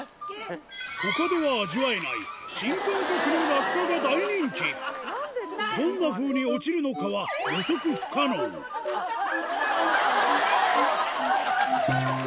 他では味わえない新感覚の落下が大人気どんなふうに落ちるのかは怖い怖い！